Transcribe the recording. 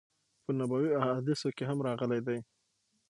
په نبوی حادثو کی هم راغلی دی